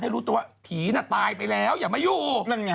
รู้ตัวว่าผีน่ะตายไปแล้วอย่ามาอยู่